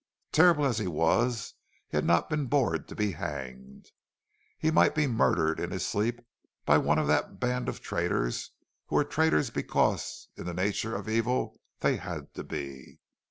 Terrible as he was, he had not been born to be hanged. He might be murdered in his sleep, by one of that band of traitors who were traitors because in the nature of evil they had to be.